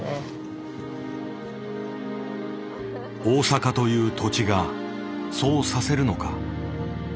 大阪という土地がそうさせるのか。